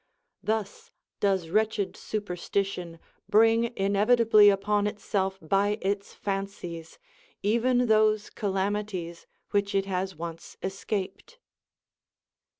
Thus does wretched superstition bring inevitably upon itself by its fancies even those calamities Avliich it has once escaped.